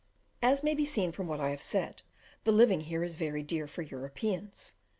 As may be seen from what I have said, the living here is very dear for Europeans.